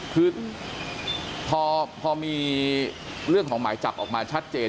คือพอมีเรื่องของหมายจับออกมาชัดเจน